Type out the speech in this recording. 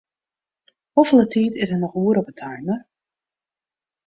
Hoefolle tiid is der noch oer op 'e timer?